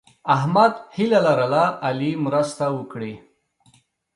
احمد هیله لرله علي مرسته وکړي.